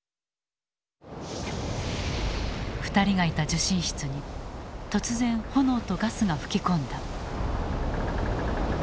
２人がいた受信室に突然炎とガスが吹き込んだ。